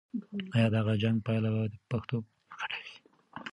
آیا د دغه جنګ پایله به د پښتنو په ګټه وي؟